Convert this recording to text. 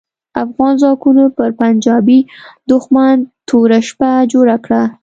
افغان ځواکونو پر پنجاپي دوښمن توره شپه جوړه کړه.